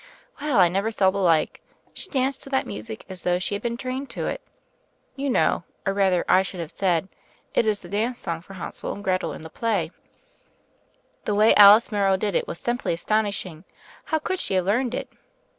"Well, I never saw the like. She danced to that music as though she had been trained to it. You know, or rather I should have said, it is the dance song for Hansel and Gretel in the play. 44 THE FAIRY OF THE SNOWS The way Alice Morrow did it was simply astoriv ishing. How could she have learned it?"